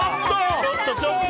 ちょっとちょっと。